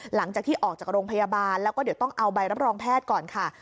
หลังจากที่ออกจากโรงพยาบาลแล้วก็เดี๋ยวต้องเอาใบรับรองแพทย์ก่อนค่ะ